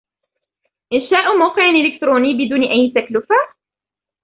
إنشاء موقع إلكتروني بدون أي تكلفة؟